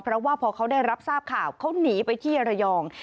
เพราะว่าพอเขาได้รับทราบข่าวเขาหนีไปที่ระยอง